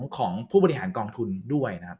ของผู้บริหารกองทุนด้วย